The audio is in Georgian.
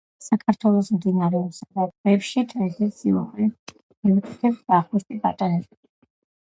საქართველოს მდინარეებსა და ტბებში თევზის სიუხვე მიუთითებს ვახუშტი ბატონიშვილი.